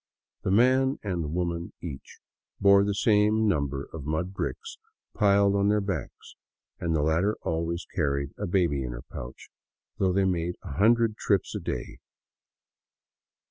The man and woman each bore the same number of mud bricks piled on their backs, and the latter always carried the baby in her pouch, though they made a hundred trips a day.